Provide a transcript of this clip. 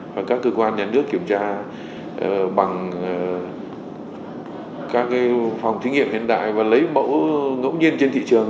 và các cơ quan nhà nước kiểm tra bằng các phòng thí nghiệm hiện đại và lấy mẫu ngẫu nhiên trên thị trường